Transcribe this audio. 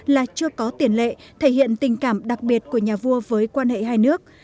là chưa có tiền lệ thể hiện tình cảm đặc biệt của nhà vua với quan hệ hai nước